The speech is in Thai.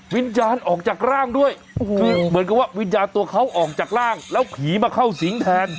วิญญาณออกจากร่างด้วยคือเหมือนกับว่าวิญญาณตัวเขาออกจากร่างแล้วผีมาเข้าสิงแทน